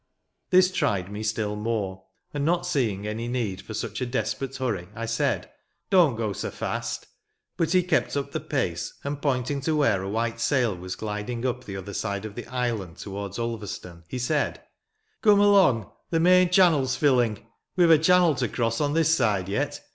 This tried me still more ; and, not seeing any need for such a desperate hurry, I said, " Don't go so fast I" But he kept up the pace, and, pointing to where a white sail was glid ing up the other side of the island, towards Ulverstone, he said, " Come along! The main channel's rilling! We've a channel to cross on this side, yet.